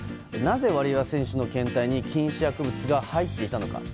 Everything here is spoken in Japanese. なぜワリエワ選手の検体に禁止薬物が入っていたのか。